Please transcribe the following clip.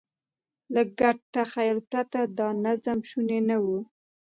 له ګډ تخیل پرته دا نظم شونی نه و.